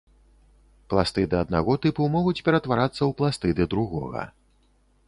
Пластыды аднаго тыпу могуць ператварацца ў пластыды другога.